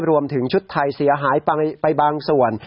รวมถึงชุดไทยเสียหายไปบางส่วน